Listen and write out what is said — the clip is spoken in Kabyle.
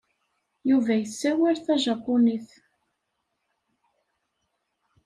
Yuba yessawal tajapunit.